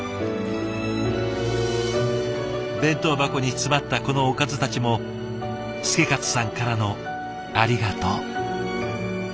弁当箱に詰まったこのおかずたちも祐勝さんからの「ありがとう」。